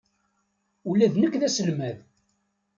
Ula d nekk d aselmad.